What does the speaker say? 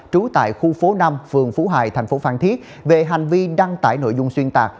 trú tại khu phố năm phường phú hải thành phố phan thiết về hành vi đăng tải nội dung xuyên tạc